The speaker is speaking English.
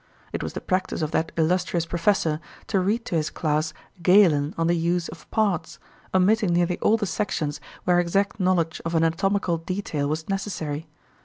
It was the practice of that illustrious professor to read to his class Galen on the "Use of Parts," omitting nearly all the sections where exact knowledge of anatomical detail was necessary.